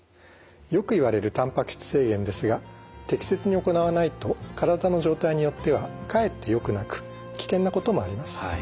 よく言われるたんぱく質制限ですが適切に行わないと体の状態によってはかえってよくなく危険なこともあります。